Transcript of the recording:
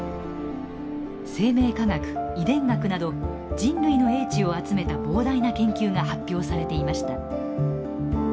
生命科学遺伝学など人類の英知を集めた膨大な研究が発表されていました。